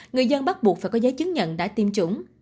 người dân bắt buộc phải có giấy chứng nhận đã tiêm chủng